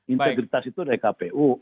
integritas itu dari kpu